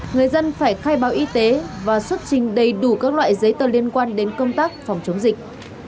người dân phải khai báo y tế và xuất trình đầy đủ các loại giấy tờ liên quan đến công tác phòng chống dịch